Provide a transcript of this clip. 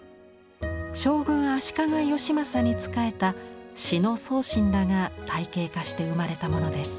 将軍足利義政に仕えた志野宗信らが体系化して生まれたものです。